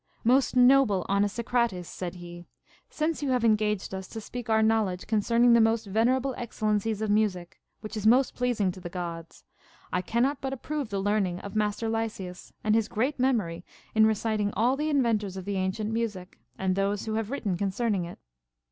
14. Most noble Onesicrates, said he, since you have engaged us to speak our knowledge concerning the most venerable excellencies of music, which is most pleasing to the Gods, I cannot but approve the learning of our mastt r Lysias, and his great memory in reciting all the inventors of the ancient music, and those who have written concern ing it.